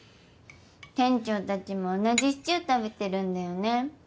店長たちも同じシチュー食べてるんだよね。